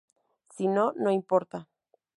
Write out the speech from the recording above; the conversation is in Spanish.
Si no, no importa..